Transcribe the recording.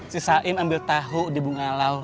si saim ambil tauhu di bungalau